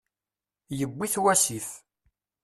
Yewwi-t wasif.